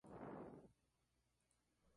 Finalmente la pieza se despega de la resina.